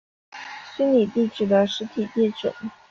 虚拟地址的实体地址。